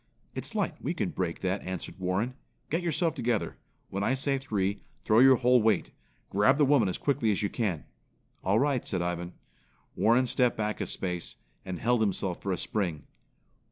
"It's light, we can break that," answered Warren. "Get yourself together. When I say three, throw your whole weight. Grab the woman as quickly as you can." "All right," said Ivan. Warren stepped back a space and held himself for a spring.